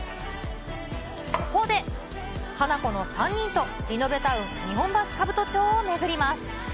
そこで、ハナコの３人と、リノベタウン日本橋兜町を巡ります。